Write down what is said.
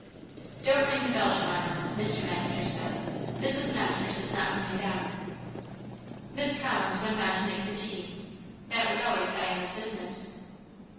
"Don't ring the bell, Jemima," Mr. Masters said. "Mrs. Masters is not coming down." Miss Collins went on to make the tea. That was always Diana's business.